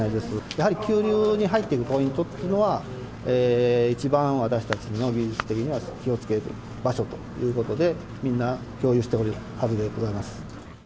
やはり急流に入っていくポイントというのは、一番、私たちの技術的には気をつける場所ということで、みんな共有しておるはずでございます。